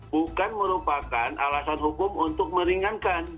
bukan merupakan alasan hukum untuk meringankan